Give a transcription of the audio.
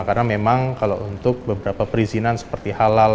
karena memang kalau untuk beberapa perizinan seperti halal